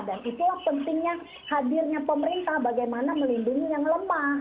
dan itulah pentingnya hadirnya pemerintah bagaimana melindungi yang lemah